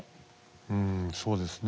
うんそうですね